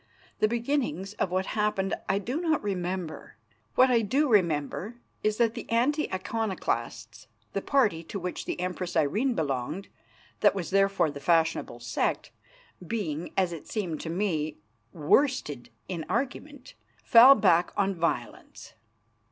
The beginnings of what happened I do not remember. What I do remember is that the anti Iconoclasts, the party to which the Empress Irene belonged, that was therefore the fashionable sect, being, as it seemed to me, worsted in argument, fell back on violence.